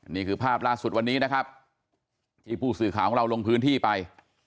นี่คือภาพล่าสุดวันนี้นะครับที่ผู้สื่อข่าวของเราลงพื้นที่ไป